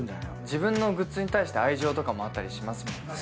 自分のグッズに対して愛情とかもあったりします。